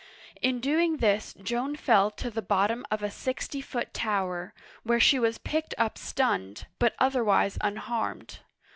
In doing this Joan fell to the bottom of a sixty foot tower, where she was picked up stunned, but otherwise unharmed.